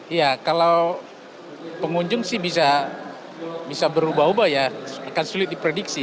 iya kalau pengunjung sih bisa berubah ubah ya akan sulit diprediksi